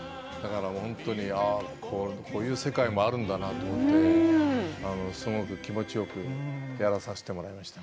こういう世界もあるんだなと思ってすごく気持ちよくやらさせてもらいました。